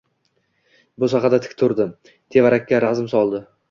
Bo‘sag‘ada tik turdi. Tevarakka razm soldi.